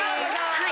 はい。